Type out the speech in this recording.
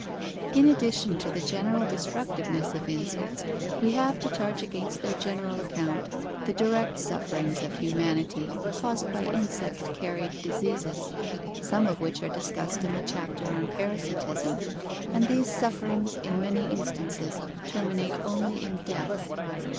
In addition to the general destructiveness of insects we have to charge against their general account the direct sufferings of human ity caused by insect carried diseases, some of which are discussed in the chapter on parasitism, and these sufferings in many instances terminate only in death.